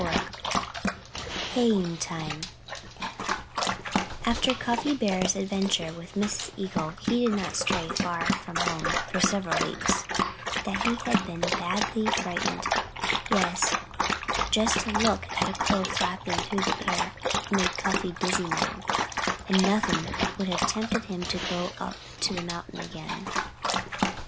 XIII HAYING TIME After Cuffy Bear's adventure with Mrs. Eagle he did not stray far from home for several weeks. You can see, from that, that he had been badly frightened. Yes just to look at a crow flapping through the air made Cuffy dizzy now; and nothing would have tempted him to go up the mountain again.